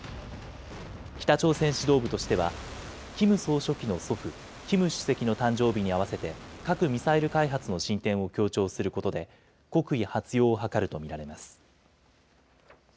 北朝鮮指導部としては、キム総書記の祖父、キム主席の誕生日に合わせて、核・ミサイル開発の進展を強調することで、国威発揚を図ると見られます。